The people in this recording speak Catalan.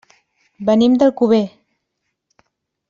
Venim d'Alcover.